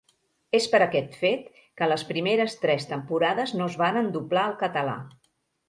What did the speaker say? És per aquest fet, que les primeres tres temporades no es varen doblar al català.